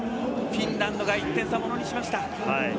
フィンランドが１点差をものにしました。